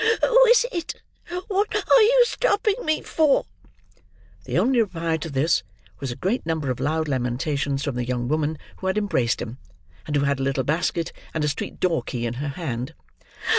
Who is it? What are you stopping me for?" The only reply to this, was a great number of loud lamentations from the young woman who had embraced him; and who had a little basket and a street door key in her hand.